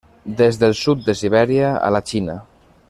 Des del sud de Sibèria a la Xina.